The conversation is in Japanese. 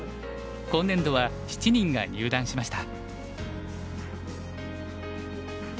今年度は７人が入段しました。